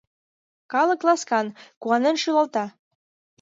Калык ласкан, куанен шӱлалта.